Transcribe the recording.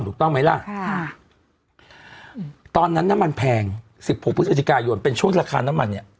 ถูกต้องไหมล่ะค่ะตอนนั้นน้ำมันแพง๑๖พฤศจิกายนเป็นช่วงราคาน้ำมันเนี่ย